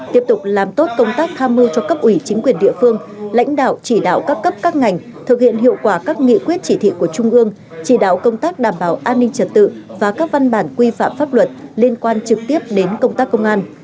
tiếp tục làm tốt công tác tham mưu cho cấp ủy chính quyền địa phương lãnh đạo chỉ đạo các cấp các ngành thực hiện hiệu quả các nghị quyết chỉ thị của trung ương chỉ đạo công tác đảm bảo an ninh trật tự và các văn bản quy phạm pháp luật liên quan trực tiếp đến công tác công an